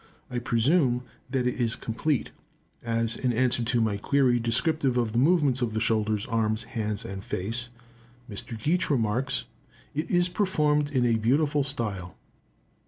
I presume that it is complete, as, in answer to my query descriptive of the movements of the shoulders, arms, hands, and face, Mr. Geach remarks, "it is performed in a beautiful style."